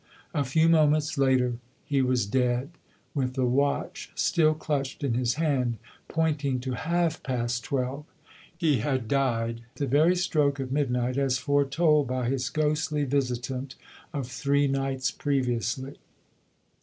A few moments later he was dead, with the watch still clutched in his hand, pointing to half past twelve. He had died at the very stroke of midnight, as foretold by his ghostly visitant of three nights previously.